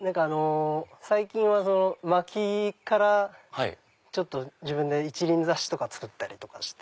最近はまきから自分で一輪挿し作ったりして。